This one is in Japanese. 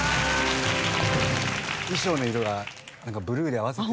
衣装の色がなんかブルーで合わせて。